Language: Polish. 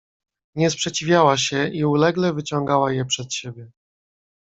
"Nie sprzeciwiała się i ulegle wyciągała je przed siebie."